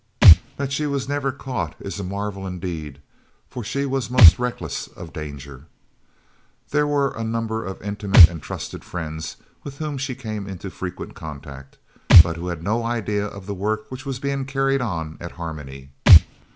That she was never "caught" is a marvel indeed, for she was most reckless of danger. There were a number of intimate and trusted friends with whom she came into frequent contact, but who had no idea of the work which was being carried on at Harmony.